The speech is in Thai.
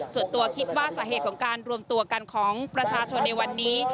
ส่วนตัวคิดว่าสาเหตุของการรวมตัวกันของประชาชนในวันนี้